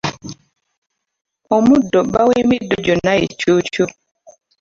Omuddo bba w’emiddo gyonna ye Cuucu.